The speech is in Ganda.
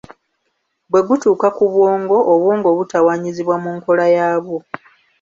Bwe gutuuka ku bwongo, obwongo butawaanyizibwa mu nkola yaabwo.